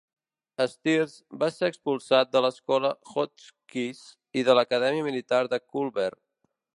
Steers va ser expulsat de l'Escola Hotchkiss i de l'Acadèmia Militar de Culver.